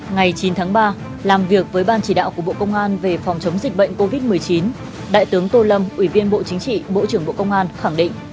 ngày chín tháng ba làm việc với ban chỉ đạo của bộ công an về phòng chống dịch bệnh covid một mươi chín đại tướng tô lâm ủy viên bộ chính trị bộ trưởng bộ công an khẳng định